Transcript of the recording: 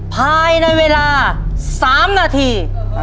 ภายในเวลา๓นาที